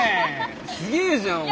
すげえじゃんお前。